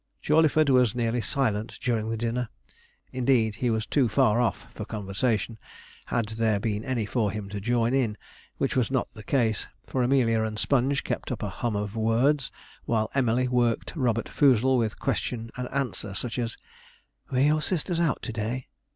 Jawleyford was nearly silent during the dinner; indeed, he was too far off for conversation, had there been any for him to join in; which was not the case, for Amelia and Sponge kept up a hum of words, while Emily worked Robert Foozle with question and answer, such as: "Were your sisters out to day?"